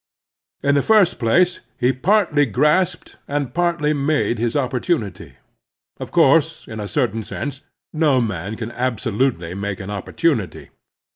In the first place, he partly grasped and partly made his opporttmity. Of course, in a certain sense, no man can absolutely make an opportu nity.